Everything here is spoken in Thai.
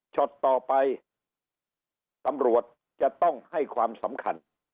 ต่อไปตำรวจจะต้องให้ความสำคัญ